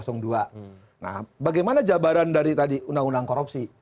nah bagaimana jabaran dari tadi undang undang korupsi